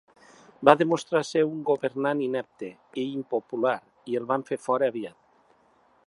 Va demostrar ser un governant inepte i impopular i el van fer fora aviat.